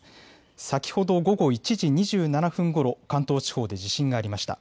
先ほど午後１時２７分ごろ関東地方で地震がありました。